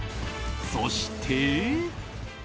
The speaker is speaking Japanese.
そして。